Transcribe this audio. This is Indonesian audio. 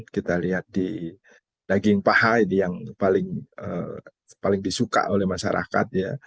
kita lihat di daging paha ini yang paling disuka oleh masyarakat ya